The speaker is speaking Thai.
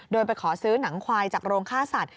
โดยไปขอซื้อหนังควายจากโรงฆ่าสัตว